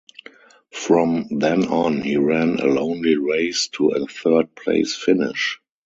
From then on, he ran a lonely race to a third-place finish.